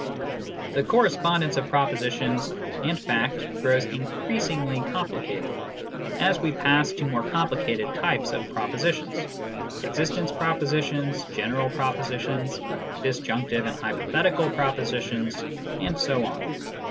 The correspondence of proposition and fact grows increas ingly complicated as we pass to more complicated types of propositions: existence propositions, general propositions, dis junctive and hypothetical propositions, and so on.